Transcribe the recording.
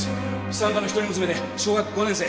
資産家の一人娘で小学５年生。